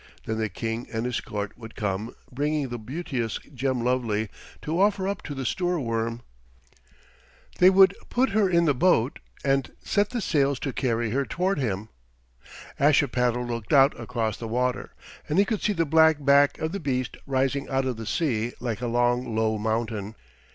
Then the King and his court would come, bringing the beauteous Gemlovely to offer up to the Stoorworm. They would put her in the boat and set the sails to carry her toward him. Ashipattle looked out across the water, and he could see the black back of the beast rising out of the sea like a long low mountain.